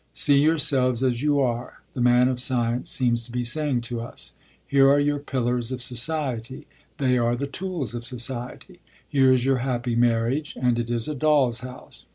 See yourselves as you are, the man of science seems to be saying to us. Here are your 'pillars of society'; they are the tools of society. Here is your happy marriage, and it is a doll's house.